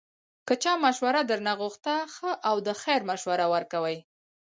که چا مشوره درنه غوښته، ښه او د خیر مشوره ورکوئ